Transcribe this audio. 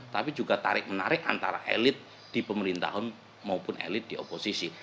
tapi juga tarik menarik antara elit di pemerintahan maupun elit di oposisi